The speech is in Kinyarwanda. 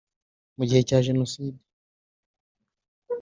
Mu gihe cya Jenoside